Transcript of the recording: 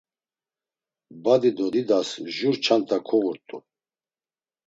Badi do didas jur çanta kuğurt̆u.